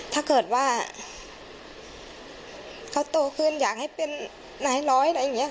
ถ้าเกิดว่าเขาโตขึ้นอยากให้เป็นนายร้อยอะไรอย่างนี้